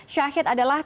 syahid adalah ketua